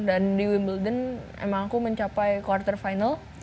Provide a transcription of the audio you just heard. dan di wimbledon emang aku mencapai quarter final